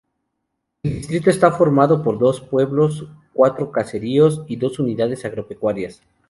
El distrito está formado por dos pueblos, cuatro caseríos y dos unidades agropecuarias.